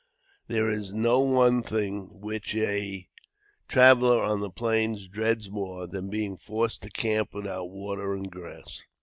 There is no one thing which a traveler on the plains dreads more than being forced to camp without water and grass.